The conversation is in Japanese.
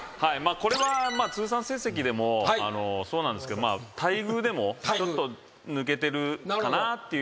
これは通算成績でもそうなんですけど待遇でもちょっと抜けてるかなっていう感じが。